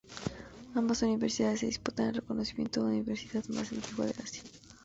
Ambas universidades se disputan el reconocimiento de universidad más antigua de Asia.